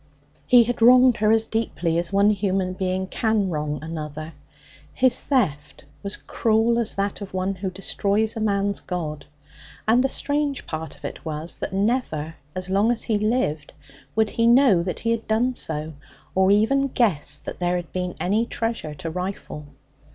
He had wronged her as deeply as one human being can wrong another. His theft was cruel as that of one who destroys a man's God. And the strange part of it was that never, as long as he lived, would he know that he had done so, or even guess that there had been any treasure to rifle.